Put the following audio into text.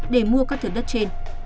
để mua các thử đất trên